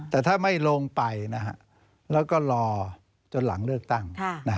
แต่ถ้าไม่ลงไปแล้วก็รอจนหลังเลือกตั้ง